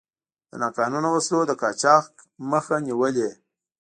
د ناقانونه وسلو د قاچاق مخه نیولې.